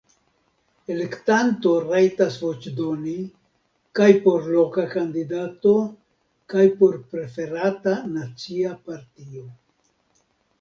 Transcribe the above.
Elektanto rajtas voĉdoni kaj por loka kandidato kaj por preferata nacia partio.